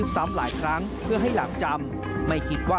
ตำรวจภูทรน้องปรือแจ้งเข้าหานายเอกสิต